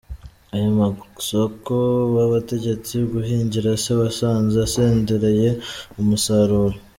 Ayo masoko wabategetse guhingira se wasanze asendereye umusaruro?